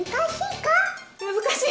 難しいか？